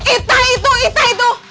ita itu ita itu